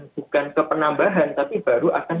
bukan kepenambahan tapi baru akan